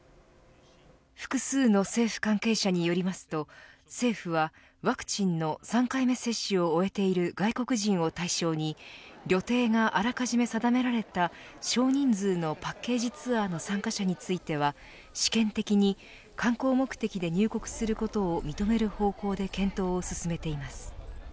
複数の政府関係者によりますと政府は、ワクチンの３回目接種を終えている外国人を対象に旅程があらかじめ定められた少人数のパッケージツアーの参加者については試験的に観光目的で入国することを認める方向で検討を進めています。